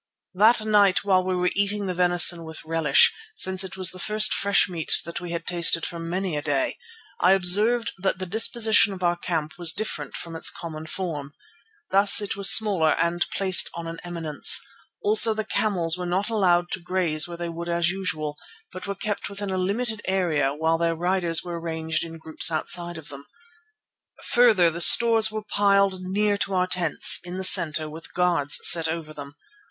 That night, while we were eating the venison with relish, since it was the first fresh meat that we had tasted for many a day, I observed that the disposition of our camp was different from its common form. Thus it was smaller and placed on an eminence. Also the camels were not allowed to graze where they would as usual, but were kept within a limited area while their riders were arranged in groups outside of them. Further, the stores were piled near our tents, in the centre, with guards set over them.